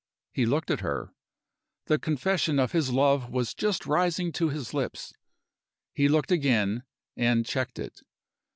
He looked at her. The confession of his love was just rising to his lips he looked again, and checked it.